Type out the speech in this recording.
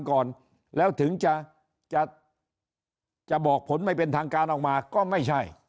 ก่อนแล้วถึงจะจะบอกผลไม่เป็นทางการออกมาก็ไม่ใช่